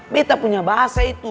betta punya bahasa itu